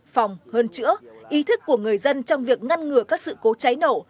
phòng hơn chữa ý thức của người dân trong việc ngăn ngừa các sự cố cháy nổ